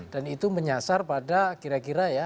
dan itu menyasar pada kira kira ya